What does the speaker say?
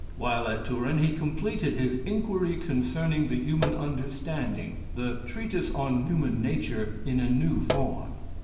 While at Turin he completed his "Inquiry Concerning the Human Understanding," the "Treatise on Human Nature" in a new form.